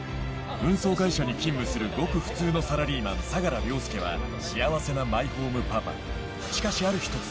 運送会社に勤務するごく普通のサラリーマン相良凌介は幸せなマイホームパパ